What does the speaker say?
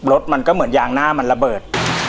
รถมันก็เหมือนยางหน้ามันระเบิด